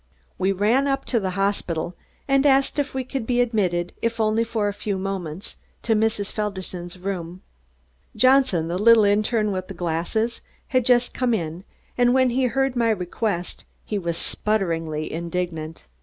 We ran up to the hospital and asked if we could be admitted if only for a few moments to Mrs. Felderson's room. Johnson, the little interne with the glasses, had just come in, and when he heard my request he was splutteringly indignant.